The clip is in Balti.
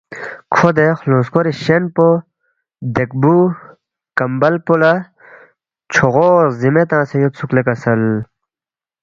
کھوے دے خلُونگ سکوری شین پو، دیکبُو نہ کمبل پو لہ چھوغو غزِیمے تنگسے یودسُوک لے کسل